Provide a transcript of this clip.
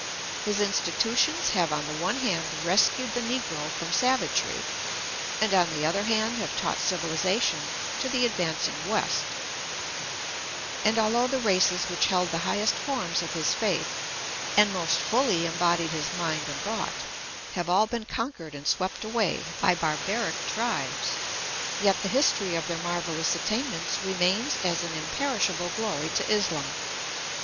His institutions have on the one hand rescued the negro from savagery, and on the other hand have taught civihzation to the advancing West ; and although the races which held the highest forms of his faith, and most fully embodied his mind and thought, have all been conquered and swept away by barbaric tribes, yet the history of their marvellous attainments remains as an imperishable glory to Islam.